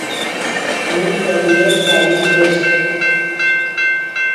من طبیعت سہی چش